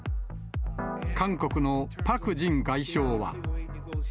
韓国のパク・ジン外相は。